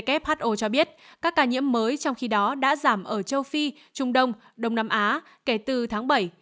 who cho biết các ca nhiễm mới trong khi đó đã giảm ở châu phi trung đông đông nam á kể từ tháng bảy